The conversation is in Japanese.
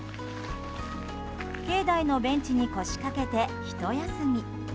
境内のベンチに腰かけてひと休み。